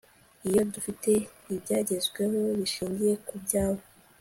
Iyo dufite ibyagezweho bishingiye kubyabo